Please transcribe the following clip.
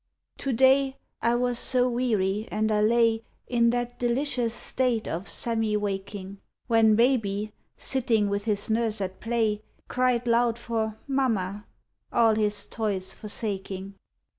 To day I was so weary and I lay In that delicious state of semi waking, When baby, sitting with his nurse at play, Cried loud for "mamma," all his toys forsaking.